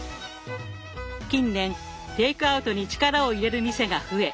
近年テイクアウトに力を入れる店が増え